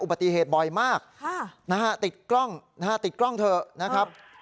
ปฏิเหตุบ่อยมากนะฮะติดกล้องนะฮะติดกล้องเถอะนะครับ